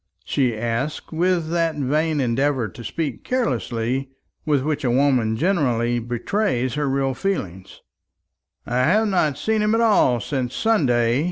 she asked, with that vain endeavour to speak carelessly with which a woman generally betrays her real feeling. "I have not seen him at all since Sunday.